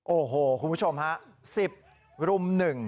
โอ้โหคุณผู้ชมฮะ๑๐รุม๑